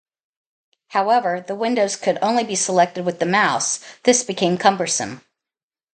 However, the windows could only be selected with the mouse, this became cumbersome.